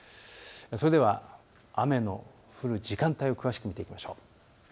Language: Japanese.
それでは雨の降る時間帯を詳しく見ていきましょう。